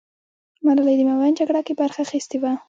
ملالۍ د ميوند جگړه کې برخه اخيستې وه.